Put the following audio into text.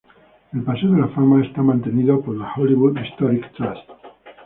El paseo de la fama es mantenido por la Hollywood Historic Trust.